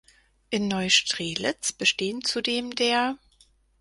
In Neustrelitz bestehen zudem der